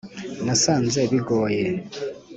nasanze bigoye!